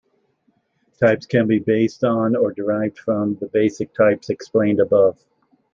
Types can be based on, or derived from, the basic types explained above.